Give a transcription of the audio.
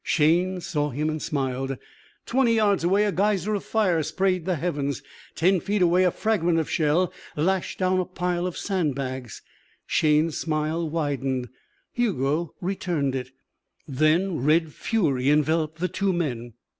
Shayne saw him and smiled. Twenty yards away a geyser of fire sprayed the heavens. Ten feet away a fragment of shell lashed down a pile of sand bags. Shayne's smile widened. Hugo returned it. Then red fury enveloped the two men.